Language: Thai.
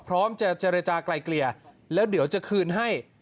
พร้อมจะเจรจากลายเกลี่ยแล้วเดี๋ยวจะคืนให้